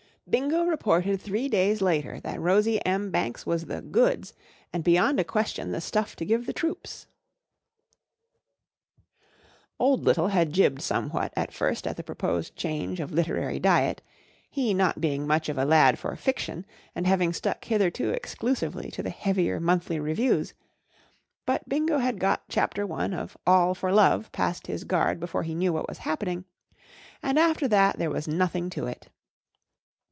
B INGO reported three days later that Rosie M. Banks was the goods and beyond a question the stuff to give the troops. Old Little had jibbed somewhat at first at the proposed change of literary diet, he not being much of a lad for fiction and having stuck hitherto exclusively to the heavier monthly reviews \ but Bingo had got chapter one of "All for Love" past his guard before he knew what was happening, and after UNIVERSITY OF MICHIGAN 49 Jeeves in the Spring Time that there was nothing to it.